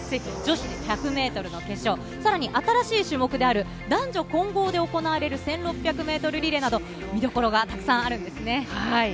女子１００ｍの決勝、さらに新しい種目、男女混合で行われる１６００ｍリレーなど見所がたくさんあるんです。